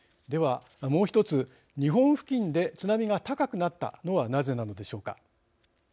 ではもう１つ日本付近で津波が高くなったのはなぜなのでしょうか。